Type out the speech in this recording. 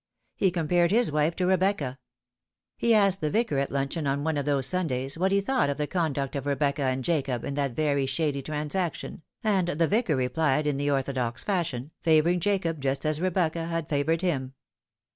He compared his wife to Rebecca. He asked the Vicar at luncheon on one of those Sundays what he thought of the conduct of Rebecca and Jacob in that very shady transaction, and the Vicar replied in the orthodox fashion, favouring Jacob just as Rebecca had favoured him.